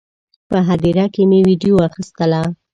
په هدیره کې مې ویډیو اخیستله.